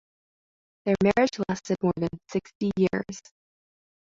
Their marriage lasted more than sixty years.